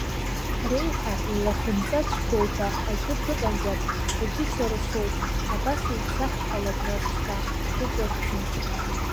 Реиҳа илахьынҵацәгьоу ҳәа аӡәыр дыҟазар, убри сара соуп, абас еицаҳҳәалап нас шьҭа, ҳгәы ҿыӷьӡом.